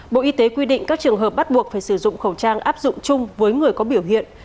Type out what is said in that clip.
bộ y tế quy định các trường hợp bắt buộc phải sử dụng khẩu trang áp dụng chung với người có biểu hiện